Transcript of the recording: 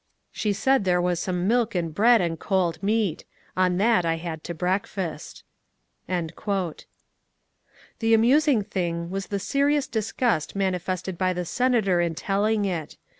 She said there was some milk and bread and cold meat. On that I had to breakfast." 330 MONCURE DANIEL CONWAY The amusing thing was the serious disgust manifested by the senator in telling it.